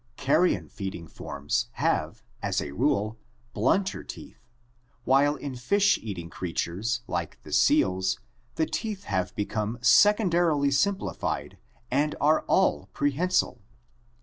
Carrion feeding forms have, as a rule, blunter teeth, while in fish eating creatures like the seals the teeth have become secondarily simplified and are all prehensile.